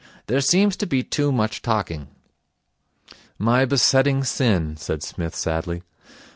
'There seems to be too much talking.' 'My besetting sin,' said Psmith sadly.